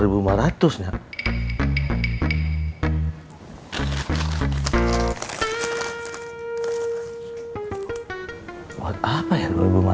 buat apa ya dua ribu lima ratus